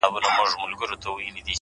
وخت د بېپروا خلکو انتظار نه کوي!.